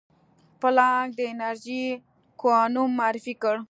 پلانک د انرژي کوانوم معرفي کړ.